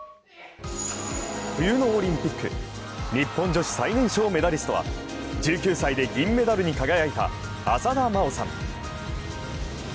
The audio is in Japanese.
冬のオリンピック日本女子最年少メダリストは１９歳で銀メダルに輝いた浅田真央さん。